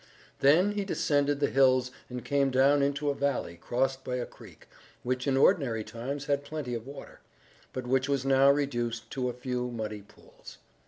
Then he descended the hills and came down into a valley crossed by a creek, which in ordinary times had plenty of water, but which was now reduced to a few muddy pools.